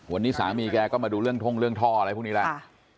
วันนี้สามีแกก็มาดูเรื่องท่องเรื่องท่ออะไรพวกนี้แล้ว